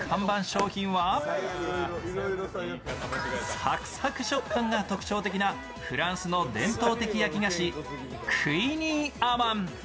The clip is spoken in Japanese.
サクサク食感が特徴的なフランスの伝統的焼き菓子クイニーアマン。